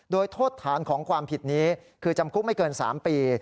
โดยโทษฐานของความผิดนี้คือจำคุกไม่เกิน๓ปี